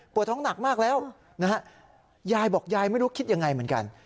ท้องหนักมากแล้วนะฮะยายบอกยายไม่รู้คิดยังไงเหมือนกัน